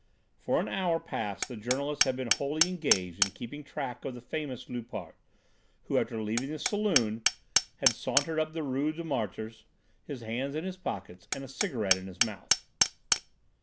For an hour past the journalist had been wholly engaged in keeping track of the famous Loupart, who, after leaving the saloon, had sauntered up the Rue des Martyrs, his hands in his pockets and a cigarette in his mouth.